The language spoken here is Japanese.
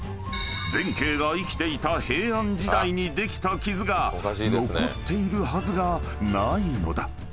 ［弁慶が生きていた平安時代にできた傷が残っているはずがないのだ］